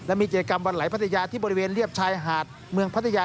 และมีเจอกรรมวันไหลพัตติยาที่บริเวณเรียบชายหาดเมืองพัตติยา